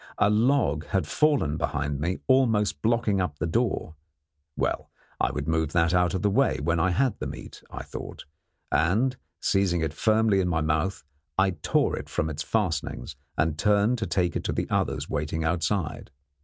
A log had fallen behind me, almost blocking up the door. Well, I would move that away when I had the meat, I thought, and, seizing it firmly in my mouth, I tore it from its fastenings and turned to take it to the others waiting outside.